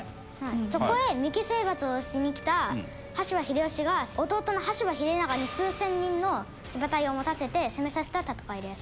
そこへ三木征伐をしに来た羽柴秀吉が弟の羽柴秀長に数千人の騎馬隊を持たせて攻めさせた戦いです。